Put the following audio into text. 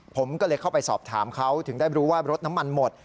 ผมก็เลยเข้าไปสอบถามเขาถึงได้รู้ว่ารถน้ำมันหมด